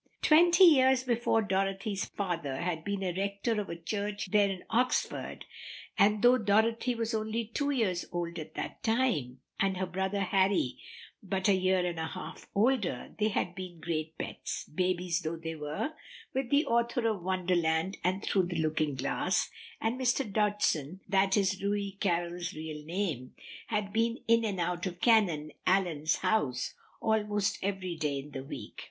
Twenty years before Dorothy's father had been rector of a church there in Oxford, and though Dorothy was only two years old at that time, and her brother Harry but a year and a half older, they had been great pets, babies though they were, with the author of "Wonderland" and "Through the Looking Glass," and Mr. Dodgson for that is Lewis Carroll's real name had been in and out of Canon Allyn's house almost every day in the week.